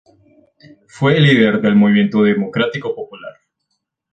Fue líder del Movimiento Democrático Popular.